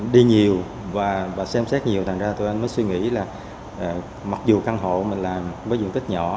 đi nhiều và xem xét nhiều thành ra tụi em mới suy nghĩ là mặc dù căn hộ mình làm với diện tích nhỏ